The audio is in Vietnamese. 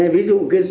ví dụ là